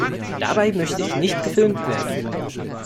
Dabei möchte ich nicht gefilmt werden!